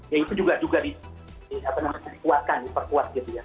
ya itu juga diperkuatkan diperkuat gitu ya